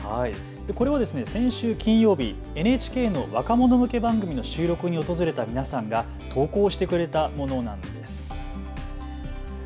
これは先週金曜日、ＮＨＫの若者向け番組の収録に訪れた皆さんが投稿してくれたものなんです。